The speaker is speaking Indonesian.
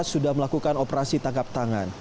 sudah melakukan operasi tangkap tangan